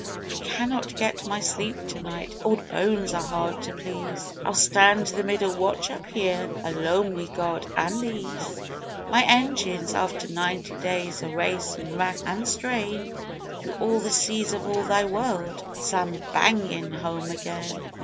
I cannot get my sleep to night; old bones are hard to please; I'll stand the middle watch up here alone wi' God an' these My engines, after ninety days o' race an' rack an' strain Through all the seas of all Thy world, slam bangin' home again.